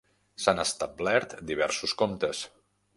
S'han establert diversos comptes.